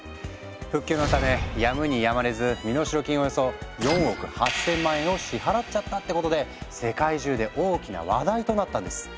復旧のためやむにやまれず身代金およそ４億８０００万円を支払っちゃったってことで世界中で大きな話題となったんです。